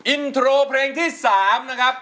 อินโทรเพลงที่๓นะครับ